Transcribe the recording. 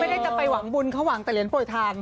นี่คือไม่ได้แต่ไปหวังบุญเขาหวังแต่เหรียญโปยทาน